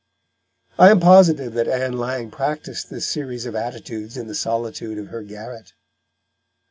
I am positive that Ann Lang practised this series of attitudes in the solitude of her garret.